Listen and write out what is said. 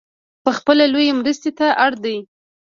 پخپله لویې مرستې ته اړ دی .